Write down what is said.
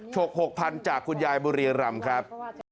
ชกหกพันธุ์จากคุณยายบุรียรรมครับ